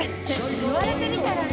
言われてみたらね。